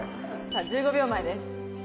さあ１５秒前です。